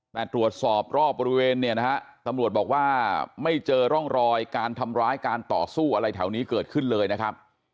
แต่ตรวจสอบรอบบริเวณเนี่ยนะฮะตำรวจบอกว่าไม่เจอร่องรอยการทำร้ายการต่อสู้อะไรแถวนี้เกิดขึ้นเลยนะครับ